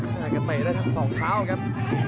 กระเตะได้ทั้ง๒คราวครับ